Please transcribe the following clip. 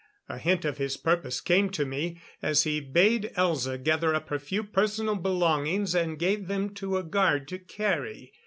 A hint of his purpose came to me, as he bade Elza gather up her few personal belongings, and gave them to a guard to carry.